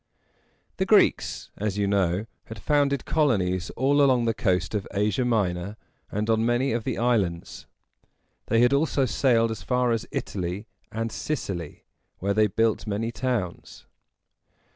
The Greeks, as you know, had founded colonies all along the coast of Asia Minor and on many of the islands. They had also sailed as far as Italy and Sicily, where they built many towns.